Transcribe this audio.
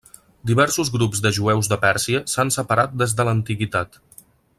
Diversos grups de jueus de Pèrsia s'han separat des de l'antiguitat.